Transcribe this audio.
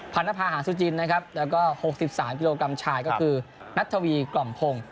รณภาหาสุจินนะครับแล้วก็๖๓กิโลกรัมชายก็คือนัททวีกล่อมพงศ์